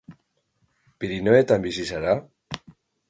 Pirinioetan bizi zara?